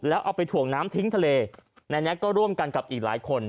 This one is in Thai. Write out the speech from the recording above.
แล้วเอาไปถ่วงน้ำทิ้งทะเลนายแน็กก็ร่วมกันกับอีกหลายคน